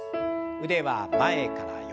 腕は前から横。